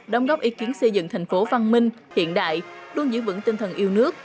đồng góp ý kiến xây dựng thành phố văn minh hiện đại luôn giữ vững tinh thần yêu nước